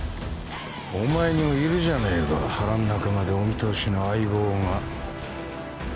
お前にもいるじゃねえか腹の中までお見通しの相棒がいいのかな？